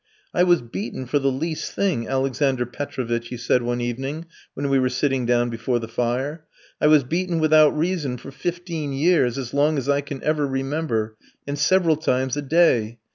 "I was beaten for the least thing, Alexander Petrovitch," he said one evening, when we were sitting down before the fire. "I was beaten without reason for fifteen years, as long as I can ever remember, and several times a day.